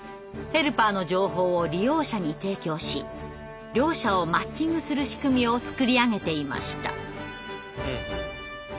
ヘルパーの情報を利用者に提供し両者をマッチングする仕組みを作り上げていました。